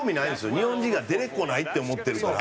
日本人が出れっこないって思ってるから。